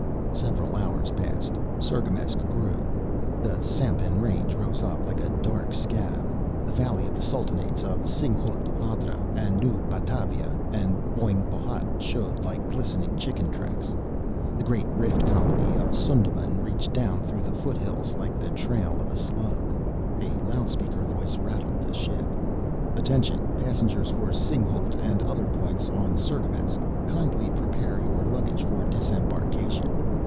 Several hours passed. Cirgamesç grew. The Sampan Range rose up like a dark scab; the valley sultanates of Singhalût, Hadra, New Batavia, and Boeng Bohôt showed like glistening chicken tracks; the Great Rift Colony of Sundaman stretched down through the foothills like the trail of a slug. A loudspeaker voice rattled the ship. "Attention passengers for Singhalût and other points on Cirgamesç! Kindly prepare your luggage for disembarkation.